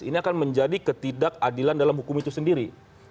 ini akan menjadi ketidakadilan dalam hukum itu sendiri